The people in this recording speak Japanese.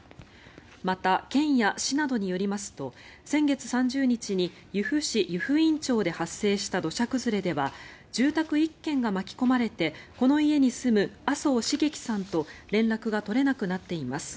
また、県や市などによりますと先月３０日に由布市湯布院町で発生した土砂崩れでは住宅１軒が巻き込まれてこの家に住む麻生繁喜さんと連絡が取れなくなっています。